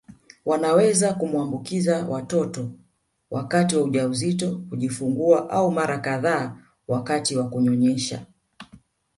Wanaweza kumwaambukiza watoto wakati wa ujauzito kujifungua au mara kadhaa wakati wa kuwanyonyesha